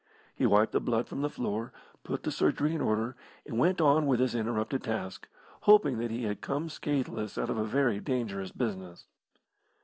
He wiped the blood from the floor, put the surgery in order, and went on with his interrupted task, hoping that he had come scathless out of a very dangerous business.